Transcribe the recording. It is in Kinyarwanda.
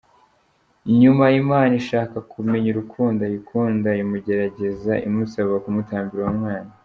Nyuma Imana ishaka kumenya urukundo ayikunda, imugerageza imusaba kumutambira uwo mwana.